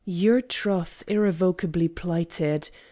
Your troth irrevocably plighted!